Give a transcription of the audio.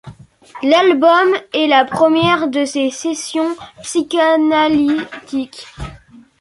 L'album est la première de ces sessions psychanalytiques.